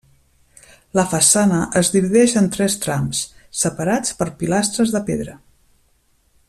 La façana es divideix en tres trams, separats per pilastres de pedra.